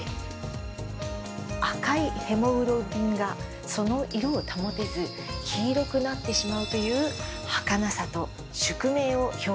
赤いヘモグロビンがその色を保てず黄色くなってしまうという儚さと宿命を表現してみました。